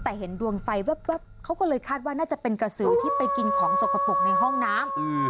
แต่เห็นดวงไฟแว๊บเขาก็เลยคาดว่าน่าจะเป็นกระสือที่ไปกินของสกปรกในห้องน้ำ